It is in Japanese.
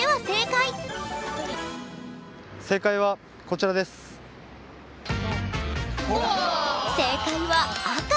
正解は赤！